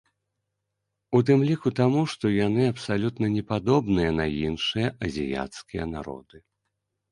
У тым ліку таму, што яны абсалютна не падобныя на іншыя азіяцкія народы.